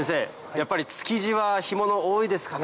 やっぱり築地は干物多いですかね？